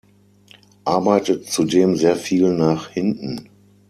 Arbeitet zudem sehr viel nach hinten.